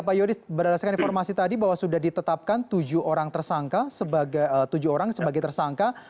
ya pak yoris berdasarkan informasi tadi bahwa sudah ditetapkan tujuh orang tersangka sebagai tersangka